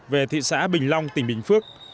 về thị xã bình long tỉnh bình phước